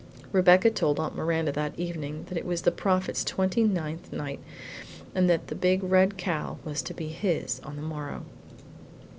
Rebecca told her Aunt Miranda that evening that it was the Prophet's twenty ninth night, and that the big red cow was to be his on the morrow.